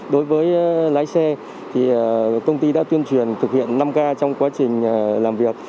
đối với lái xe công ty đã tuyên truyền thực hiện năm k trong quá trình làm việc